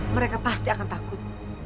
mereka pasti akan takut